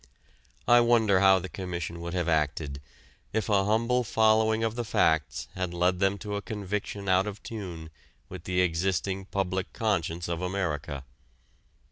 I wonder how the Commission would have acted if a humble following of the facts had led them to a conviction out of tune with the existing public conscience of America.